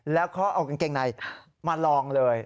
แล้วเขาเอากางเกงในมาลองเลย